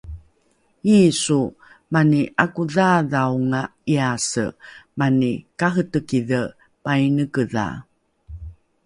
Yisu mani 'akodhaadhaonga 'iyase, mani kahetekidhe painekedha